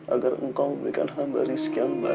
agar engkau memberikan hamba rizki yang baik